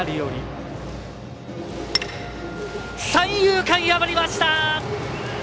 三遊間、破りました。